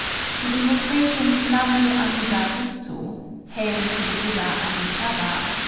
The invocation Namu Amida Butsu! ("Hail to the Buddha Amitâbha!")